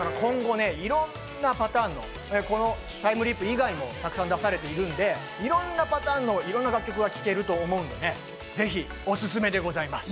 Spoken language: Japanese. だから今後、いろんなパターンの『タイムリープ』以外もたくさん出されているんで、いろんなパターンのいろんな楽曲が聴けると思うんでね、ぜひオススメでございます。